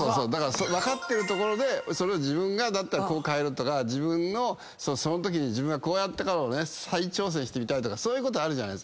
分かってるところで自分がだったらこう変えるとかそのとき自分がこうやったから再挑戦してみたいとかそういうことあるじゃない。